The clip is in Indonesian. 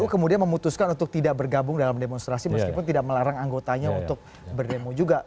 kemudian memutuskan untuk tidak bergabung dalam demonstrasi meskipun tidak melarang anggotanya untuk berdemo juga